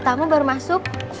ya tamu baru masuk